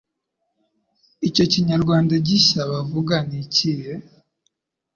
Icyo kinyarwanda gishya bavuga ni ikihe